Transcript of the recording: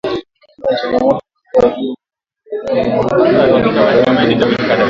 Ikiwa ni changamoto kwa Waziri Mkuu wa muda Abdulhamid Dbeibah.